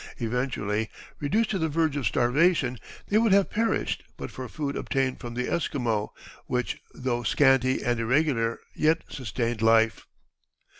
Eventually reduced to the verge of starvation, they would have perished but for food obtained from the Esquimaux, which, though scanty and irregular, yet sustained life.